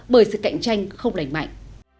bởi sự cạnh tranh không lành mạnh